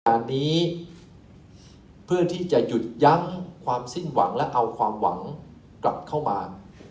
การนี้เพื่อที่จะหยุดยั้งความสิ้นหวังและเอาความหวังกลับเข้ามา